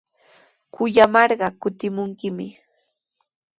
Kuyamarqa kutimunkimi.